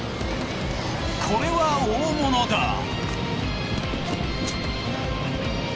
これは大物だ！